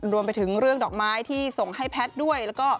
รวมไปถึงเรื่องดอกไม้ที่ส่งให้แพทย์ด้วยแล้วก็